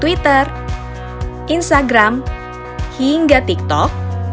twitter instagram hingga tiktok